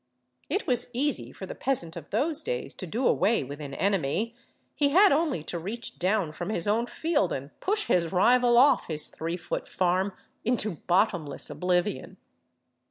It was easy for the peasant of those days to do away with an enemy; he had only to reach down from his own field and push his rival off his three foot farm into bottomless oblivion.